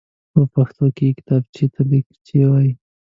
په پښتو کې کتابچېته ليکچه وايي.